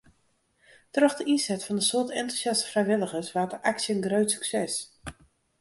Troch de ynset fan in soad entûsjaste frijwilligers waard de aksje in grut sukses.